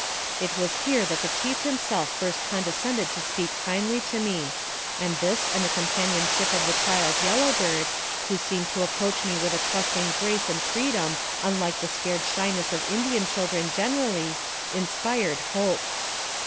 It was here that the chief himself first condescended to speak kindly to me, and this and the companionship of the child Yellow Bird, who seemed to approach me with a trusting grace and freedom unlike the scared shyness of Indian children generally, inspired hope.